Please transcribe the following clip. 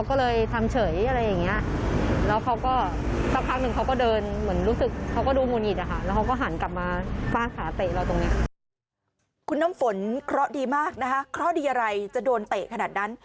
คุณน้ำฝนคล้อดีมากคล้อดีอะไรจะโดนเตะขนาดนั้น